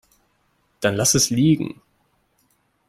Dann lass es liegen.